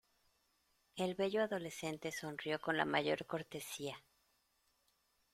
el bello adolescente sonrió con la mayor cortesía: